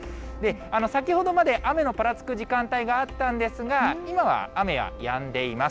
先ほどまで雨のぱらつく時間帯があったんですが、今は雨はやんでいます。